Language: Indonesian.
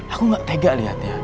aku gak tega liatnya